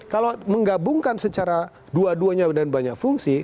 kalau menggabungkan secara dua duanya dan banyak fungsi